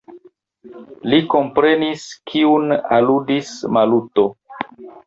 Li komprenis, kiun aludis Maluto.